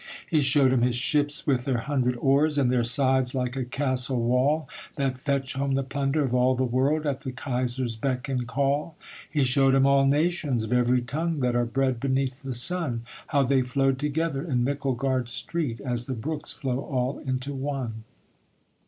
He showed him his ships with their hundred oars, And their sides like a castle wall, That fetch home the plunder of all the world, At the Kaiser's beck and call. He showed him all nations of every tongue That are bred beneath the sun, How they flowed together in Micklegard street As the brooks flow all into one.